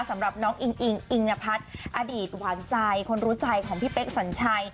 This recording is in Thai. สำหรับน้องอิงอิงอิงนพัฒน์อดีตหวานใจคนรู้ใจของพี่เป๊กสัญชัย